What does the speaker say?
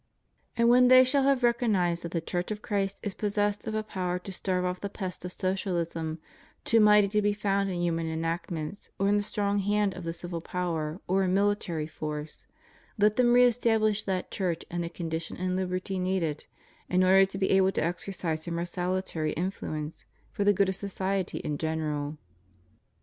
And when they shall have recognized that the Church of Christ is possessed of a power to stave off the pest of Socialism, too mighty to be found in human enactments or in the strong hand of the civil power or in military force, let them re establish that Church in the condition and liberty needed in order to be able to exer cise her most salutary influence for the good of society in general.